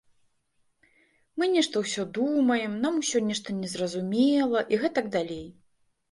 Мы нешта ўсё думаем, нам усё нешта незразумела і гэтак далей.